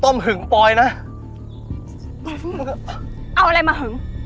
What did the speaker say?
ทเลี้ยง